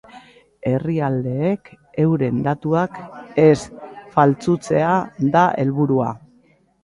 Herrialdeek euren datuak ez faltsutzea da helburua.